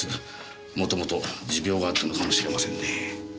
もともと持病があったのかもしれませんね。